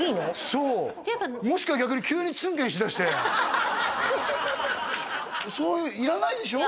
そうもしくは逆に急にツンケンしだしてそういうのいらないでしょ？